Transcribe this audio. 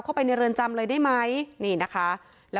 ในเรือนจำเลยได้ไหมนี่นะคะ